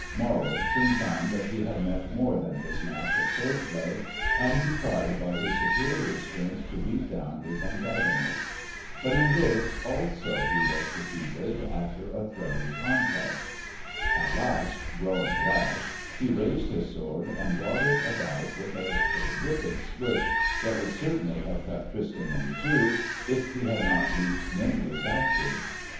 Morold soon found that he had met more than his match at sword play, and he tried by his superior strength to beat down his antagonist. But in this also he was defeated, after a thrilling contest. At last growing rash he raised his sword and brought it about with a terrific swish that would certainly have cut Tristan in two, if he had not leaped nimbly backward.